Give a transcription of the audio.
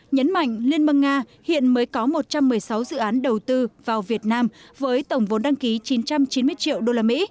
nhấn mạnh liên bang nga hiện mới có một trăm một mươi sáu dự án đầu tư vào việt nam với tổng vốn đăng ký chín trăm chín mươi triệu usd